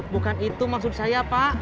bukan itu maksud saya pak